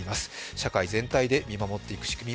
社会全体で見守っていく仕組み